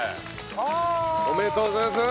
おめでとうございます。